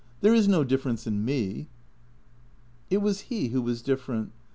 There is no difference in me." It was he who was different.